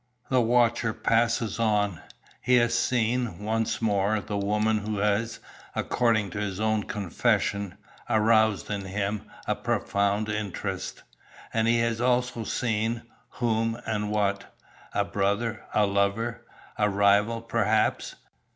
The watcher passes on. He has seen, once more, the woman who has, according to his own confession, aroused in him "a profound interest." And he has also seen, whom and what? A brother? A lover? A rival, perhaps?